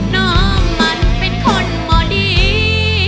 น้องมันเป็นคนบ่ดี